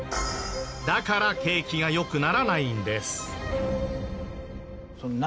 だから景気が良くならないんです。